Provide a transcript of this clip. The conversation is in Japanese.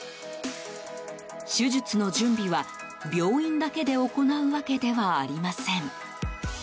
手術の準備は、病院だけで行うわけではありません。